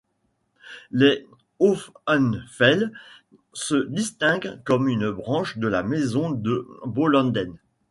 Les Hohenfels se distinguent comme une branche de la maison de Bolanden.